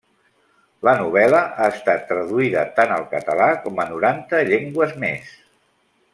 La novel·la ha estat traduïda tant al català com a noranta llengües més.